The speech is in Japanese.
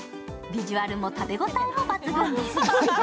ビジュアルも食べ応えも抜群です。